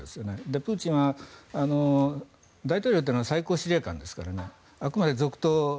プーチンは大統領は最高司令官ですからあくまで続投。